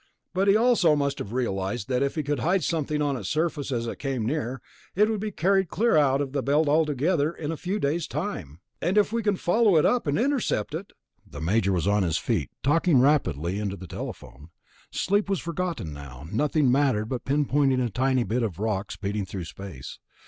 But he also must have realized that if he could hide something on its surface as it came near, it would be carried clear out of the Belt altogether in a few days' time." "And if we can follow it up and intercept it...." The Major was on his feet, talking rapidly into the telephone. Sleep was forgotten now, nothing mattered but pinpointing a tiny bit of rock speeding through space.